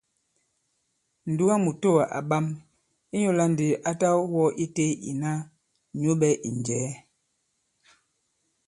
Ǹdugamùtowà à ɓam ; ìnyula ndi a ta wɔ ite ìna nyũɓɛ ì njɛ̀ɛ.